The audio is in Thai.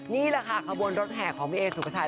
นี่แหละค่ะขบวนรถแห่ของพี่เอสุภาชัย